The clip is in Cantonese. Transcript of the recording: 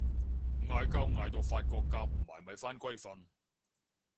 嗌交嗌到發覺夾唔埋咪返歸瞓